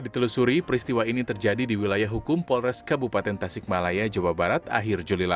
ditelusuri peristiwa ini terjadi di wilayah hukum polres kabupaten tasik malaya jawa barat akhir juli